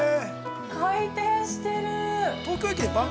回転してる。